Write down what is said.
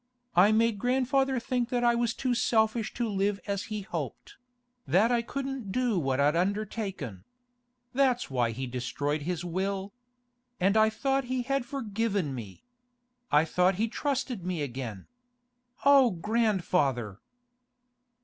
I made grandfather think that I was too selfish to live as he hoped—that I couldn't do what I'd undertaken. That was why he destroyed his will. And I thought he had forgiven me! I thought he trusted me again! O grandfather!